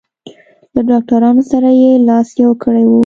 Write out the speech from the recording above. له ډاکټرانو سره یې لاس یو کړی و.